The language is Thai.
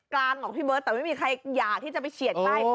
หรอกพี่เบิร์ตแต่ไม่มีใครอยากที่จะไปเฉียดใกล้